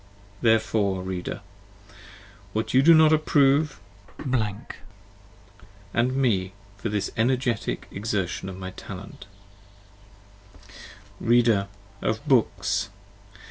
Therefore ... Reader, ... what you do not approve, & me for this energetic exertion of my talent, Reader! ... of books!